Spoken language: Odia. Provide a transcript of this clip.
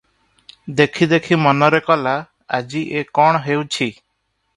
ଦେଖି ଦେଖି ମନରେ କଲା, ଆଜି ଏ କଣ ହେଉଛି ।